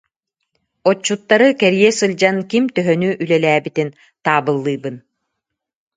Отчуттары кэрийэ сылдьан ким төһөнү үлэлээбитин таабыллыыбын